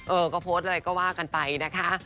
เออก็โพสต์อะไรก็ว่ากันไปนะคะ